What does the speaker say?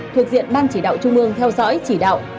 thuộc diện ban chỉ đạo trung ương theo dõi chỉ đạo